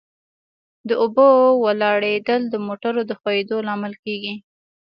د اوبو ولاړېدل د موټرو د ښوئیدو لامل کیږي